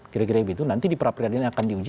kira kira begitu nanti di perapradilan akan diuji